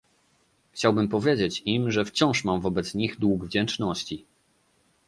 Chciałbym powiedzieć im, że wciąż mam wobec nich dług wdzięczności